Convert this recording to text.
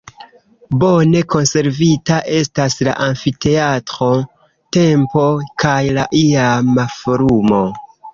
Bone konservita estas la amfiteatro, templo kaj la iama forumo.